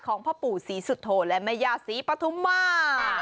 ของพระปู่ศรีสุธโฑและมายาศรีปฐุมา